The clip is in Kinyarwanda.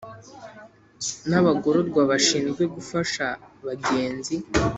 n abagororwa bashinzwe gufasha bagenzi